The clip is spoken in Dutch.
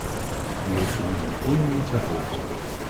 U heeft gedurende een minuut het woord.